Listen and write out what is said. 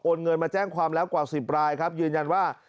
เงินมาแจ้งความแล้วกว่า๑๐รายครับยืนยันว่า